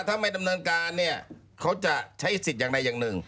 ถ้าไม่ดำเนินการเนี่ยเขาจะใช้สิทธิ์อย่างใดอย่างหนึ่ง